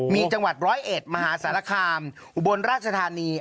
มีจังหวัดร้อยเอ็ดมหาสารคามอุบลราชธานี